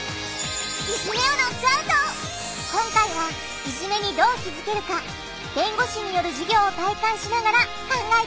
今回はいじめにどう気づけるか弁護士による授業を体感しながら考えていくよ